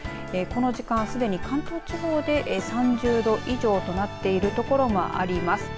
この時間すでに関東地方で３０度以上となっている所があります。